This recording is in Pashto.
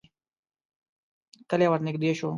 کلی ورنږدې شو.